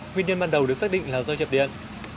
nguyên nhân ban đầu được xác định là do chập điện